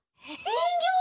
にんぎょう？